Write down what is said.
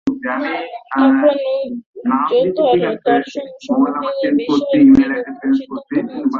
এখন উচ্চতর দর্শনসমূহে এই বিষয়ের কিরূপ সিদ্ধান্ত করা হইয়াছে, তাহা আলোচনা করা যাক।